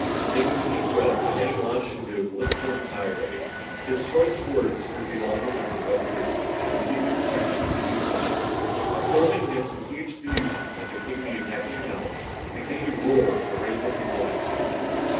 Taking a deep breath McKenny launched into a blistering tirade. His choice of words were to be long remembered by the group and repeated to succeeding classes. Storming against the huge Venusian like a pygmy attacking an elephant, McKenny roared, berated and blasted.